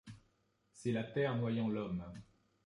C’est la terre noyant l’homme.